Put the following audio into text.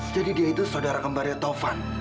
jadi dia itu saudara kembarnya taufan